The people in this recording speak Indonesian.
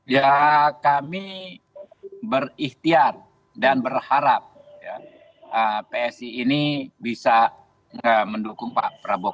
ya kami berikhtiar dan berharap psi ini bisa mendukung pak prabowo